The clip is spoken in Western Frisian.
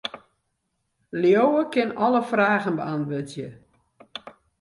Liuwe kin alle fragen beäntwurdzje.